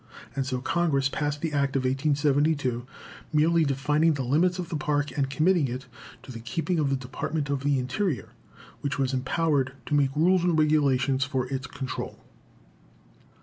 And so Congress passed the Act of 1872, merely defining the limits of the Park and committing it to the keeping of the Department of the Interior, which was empowered to make rules and regulations for its control.